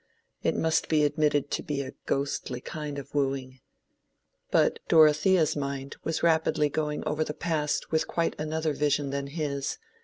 It must be admitted to be a ghostly kind of wooing. But Dorothea's mind was rapidly going over the past with quite another vision than his.